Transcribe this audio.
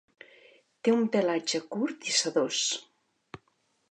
Té un pelatge curt i sedós.